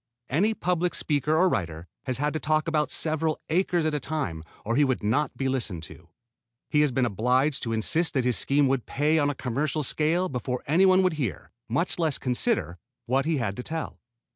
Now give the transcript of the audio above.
Any public speaker or writer has had to talk about several acres at a time or he would not be listened to. He has been obliged to insist that his scheme would pay on a commercial scale before anyone would hear, much less consider, what he had to tell.